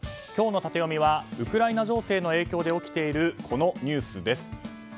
今日のタテヨミはウクライナ情勢の影響で起きているこのニュースです。